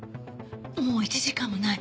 もう１時間もない。